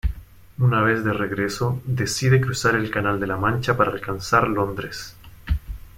Una vez de regreso, decide cruzar el canal de la Mancha para alcanzar Londres.